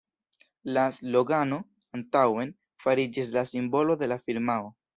La slogano «Antaŭen!» fariĝis la simbolo de la firmao.